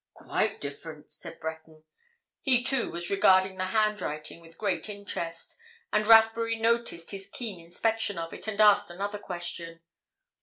"Quite different," said Breton. He, too, was regarding the handwriting with great interest. And Rathbury noticed his keen inspection of it, and asked another question.